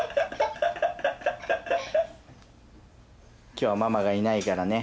今日はママがいないからね